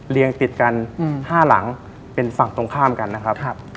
ติดกัน๕หลังเป็นฝั่งตรงข้ามกันนะครับ